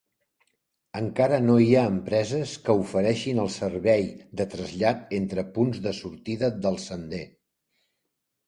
Encara no hi ha empreses que ofereixin el servei de trasllat entre punts de sortida del sender.